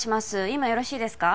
今よろしいですか？